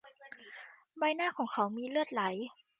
ใบหน้าของเขามีเลือดไหล